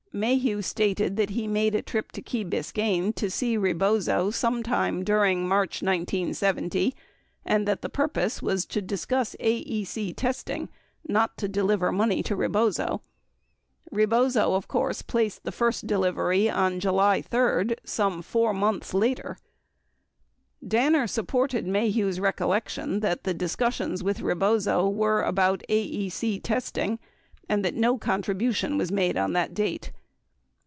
Maheu stated that he made a trip to Key Biscayne to see Rebozo some time during March 1970 and that the purpose was to discuss AEG testing, not to deliver money to Rebozo. 24 Rebozo, of course, placed the first delivery on July 3, some 4 months later. Danner supported Maheu's recollection that the discussions with Rebozo were about AEC testing and that no contribution was made on that date.